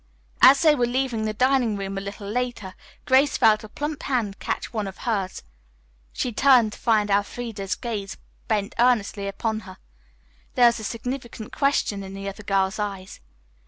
As they were leaving the dining room a little later, Grace felt a plump hand catch one of hers. She turned to find Elfreda's gaze bent earnestly upon her. There was a significant question in the other girl's eyes.